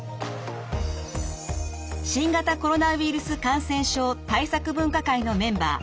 新型コロナウイルス感染症対策分科会のメンバー